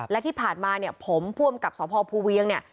และที่ผ่านมาเนี่ยผมผู้อำกับสพภูเวียงเนี่ย